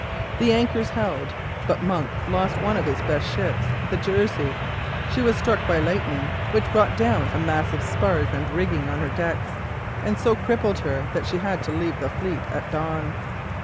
The anchors held, but Monk lost one of his best ships, the "Jersey." She was struck by lightning, which brought down a mass of spars and rigging on her decks, and so crippled her that she had to leave the fleet at dawn.